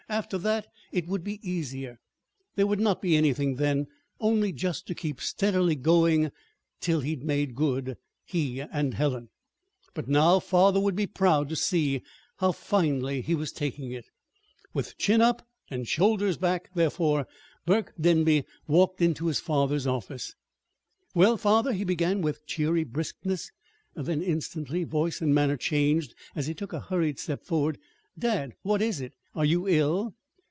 After that it would be easier. There would not be anything then only just to keep steadily going till he'd made good he and Helen. But now father would be proud to see how finely he was taking it! With chin up and shoulders back, therefore, Burke Denby walked into his father's office. "Well, father," he began, with cheery briskness. Then, instantly, voice and manner changed as he took a hurried step forward. "Dad, what is it? Are you ill?"